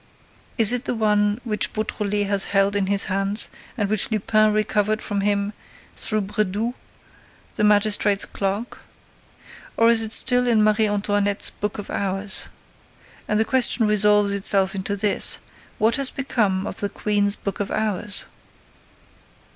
Is it the one which Beautrelet has held in his hands and which Lupin recovered from him through Brédoux, the magistrate's clerk? Or is it still in Marie Antoinette's book of hours? And the question resolves itself into this: what has become of the Queen's book of hours?